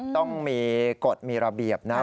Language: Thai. ต้องมีกฎมีระเบียบนะครับ